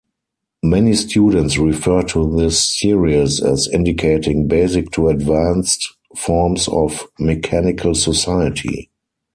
Many students refer to this series as indicating basic-to-advanced forms of mechanical society.